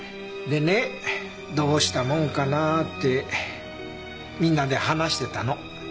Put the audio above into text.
でねどうしたもんかなってみんなで話してたの。